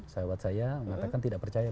sahabat saya mengatakan tidak percaya